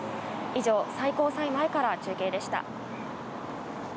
以上、最高裁前から中継でした。